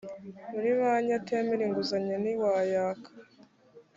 mu banki atemera inguzanyo ntiwayaka